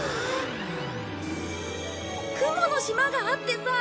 雲の島があってさ